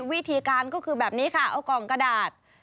วิธีการก็คือแบบนี้ค่ะเอากล่องกระดาษ